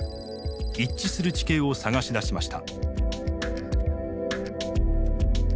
一致する地形を探し出しました。